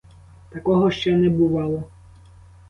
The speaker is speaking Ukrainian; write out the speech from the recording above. Такого ще не бувало.